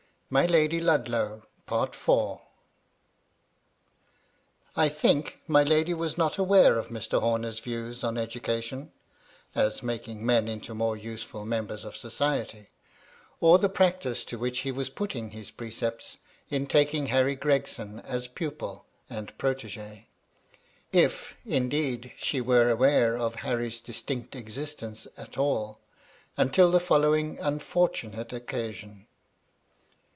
MY LADY LUDLOW. 83 CHAPTER IV. I THINK my lady was not aware of Mr. Horaer's views on education (as making men into more useful members of society) or the practice to which he was putting his precepts in taking Harry Gregson as pupil and protege ; if, indeed, she were aware of Harry's distinct existence at all, until the following unfor tunate occasion.